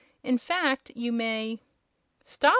In fact, you may " "Stop!"